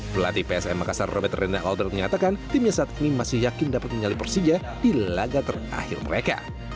pelatih psm makassar robert renda alter menyatakan timnya saat ini masih yakin dapat menyalip persija di laga terakhir mereka